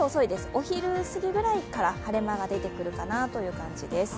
お昼すぎぐらいから晴れ間が出てくるかなという感じです。